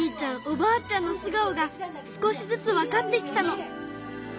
おばあちゃんの素顔が少しずつわかってきたの。